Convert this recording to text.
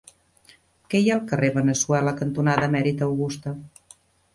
Què hi ha al carrer Veneçuela cantonada Emèrita Augusta?